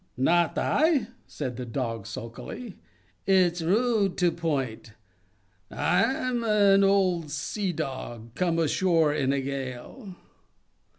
"Not I," said the Dog, sulkily. "It's rude to point. I'm an old Sea Dog, come ashore in a gale."